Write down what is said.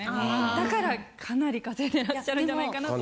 だからかなり稼いでらっしゃるんじゃないかなと。